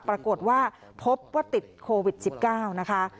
ปรากฏว่าพบว่าติดโควิดสิบเก้านะคะ